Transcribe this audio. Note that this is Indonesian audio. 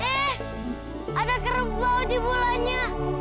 eh ada kerbau di bulannya